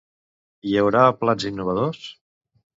Hi haurà plats innovadors?